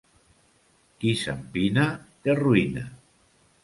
Qui s'empina té ruïna.